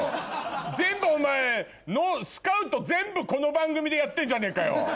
全部お前スカウト全部この番組でやってんじゃねえかよ。